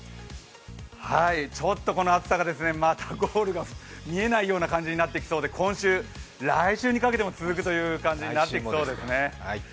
ちょっとこの暑さがゴールが見えない感じになってきそうで今週、来週にかけても続くという感じになっていきそうです。